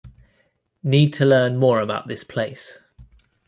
Need to learn more about this place.